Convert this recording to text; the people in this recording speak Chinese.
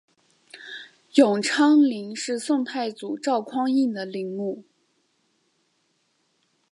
永昌陵是宋太祖赵匡胤的陵墓。